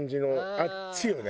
あっちよね